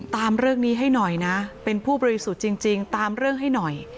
ตามเรื่องนี้ให้หน่อยนะเป็นผู้บริสุทธิ์จริงตามเรื่องให้หน่อย